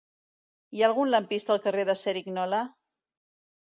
Hi ha algun lampista al carrer de Cerignola?